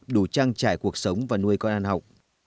đủ trang trải cuộc sống và nuôi con ăn học